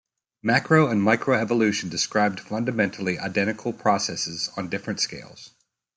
Macro and microevolution describe fundamentally identical processes on different scales.